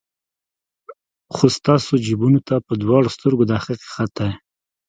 خو ستاسو جیبونو ته په دواړو سترګو دا حقیقت دی.